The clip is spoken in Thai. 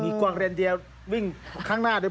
กว้างเลนเดียววิ่งข้างหน้าเลย